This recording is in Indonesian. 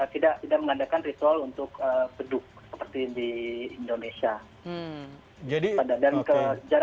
tidak tidak mengandalkan ritual untuk bedug seperti di indonesia jadi pada jarang sekali